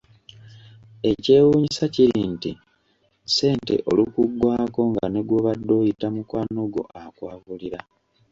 Ekyewuunyisa kiri nti ssente olukuggwaako nga ne gw'obadde oyita mukwano gwo akwabulira.